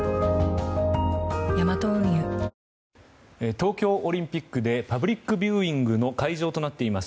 東京オリンピックでパブリックビューイングの会場となっています